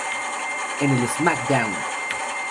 En el "Smackdown!